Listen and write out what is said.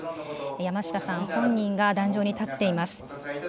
山下さん本人が壇上に立っています。